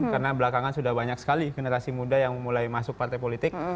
karena belakangan sudah banyak sekali generasi muda yang mulai masuk partai politik